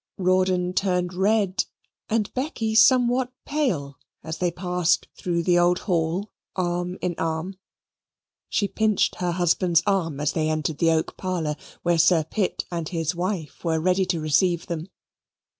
Rawdon turned red, and Becky somewhat pale, as they passed through the old hall, arm in arm. She pinched her husband's arm as they entered the oak parlour, where Sir Pitt and his wife were ready to receive them.